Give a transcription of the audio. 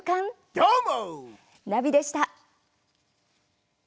どーも！